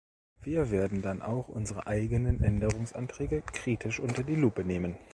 Wir werden dann auch unsere eigenen Änderungsanträge kritisch unter die Lupe nehmen.